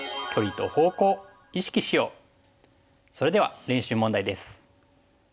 それでは練習問題です。